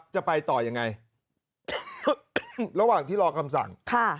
จะไปต่อยังไงระหว่างที่รอคำสั่งค่ะ